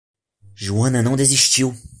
Joana não desistiu.